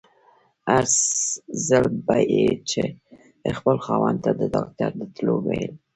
هر ځل به يې چې خپل خاوند ته د ډاکټر د تلو ويل.